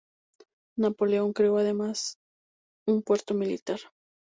Napoleón creó además un puerto militar.